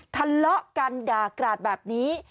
ทะเลาะกันด่ากราดแบบนี้